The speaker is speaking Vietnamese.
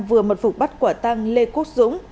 vừa mật phục bắt quả tăng lê quốc dũng